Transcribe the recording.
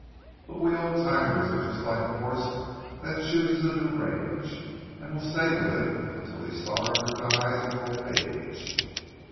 But we old timers are just like a horse that chooses a new range and will stay with it until he starves or dies with old age."